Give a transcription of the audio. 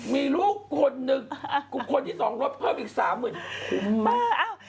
มีลูกคนหนึ่งคนที่สองลดเพิ่มอีก๓หมื่นคุ้มมาก